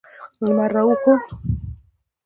لمر راوخوت